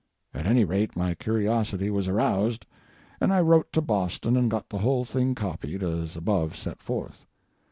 At any rate, my curiosity was aroused, and I wrote to Boston and got the whole thing copied, as above set forth.